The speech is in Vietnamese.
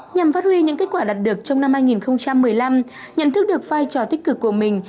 nhằm phát huy những kết quả đạt được trong năm hai nghìn một mươi năm nhận thức được vai trò tích cực của mình